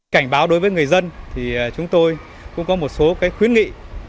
cảnh báo đối với người dân thì chúng tôi cũng có một số khuyến nghị